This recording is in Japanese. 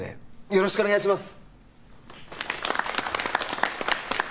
よろしくお願いします